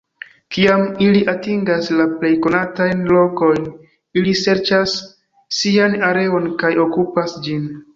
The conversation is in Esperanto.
Kiam ili atingas la plej konatajn lokojn, ili serĉas sian areon kaj okupas ĝin.